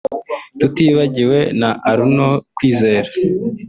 tutibagiwe na Arnold Kwizera